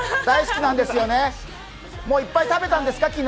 大好きなんですよね、もういっぱい食べたんですか？